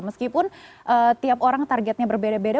meskipun tiap orang targetnya berbeda beda